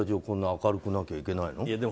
こんな明るくなきゃいけないの？